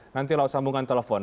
nanti lalu sambungkan telepon